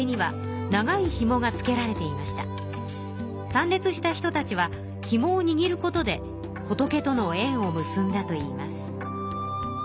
参列した人たちはひもをにぎることで仏とのえんを結んだといいます。